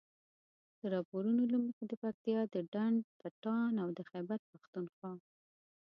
د راپورونو له مخې د پکتیا د ډنډ پټان او د خيبر پښتونخوا